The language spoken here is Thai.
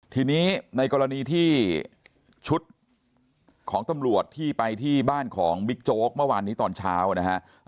ทีนี้ในกรณีที่ชุดของตำรวจที่ไปที่บ้านของบิ๊กโจ๊กเมื่อวานนี้ตอนเช้านะครับ